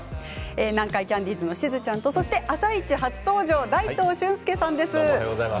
南海キャンディーズのしずちゃんと「あさイチ」初登場大東駿介さんです。